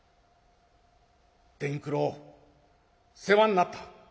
「伝九郎世話になった。